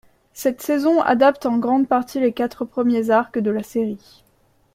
Cette saison adapte en grande partie les quatre premiers arcs de la série.